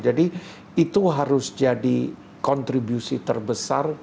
jadi itu harus jadi kontribusi terbesar